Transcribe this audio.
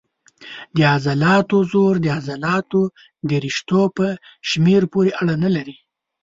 د عضلاتو زور د عضلاتو د رشتو په شمېر پورې اړه نه لري.